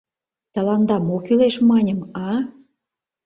— Тыланда мо кӱлеш, маньым, а?!